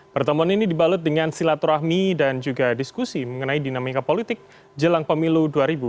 pertemuan ini dibalut dengan silaturahmi dan juga diskusi mengenai dinamika politik jelang pemilu dua ribu dua puluh